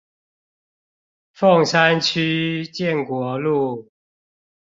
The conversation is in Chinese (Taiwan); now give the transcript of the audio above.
鳳山區建國路